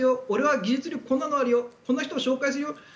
俺は技術力こんなのあるよこんな人を紹介するよ。